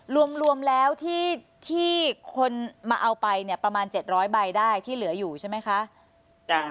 รวมรวมแล้วที่ที่คนมาเอาไปเนี้ยประมาณเจ็ดร้อยใบได้ที่เหลืออยู่ใช่ไหมคะจ้ะ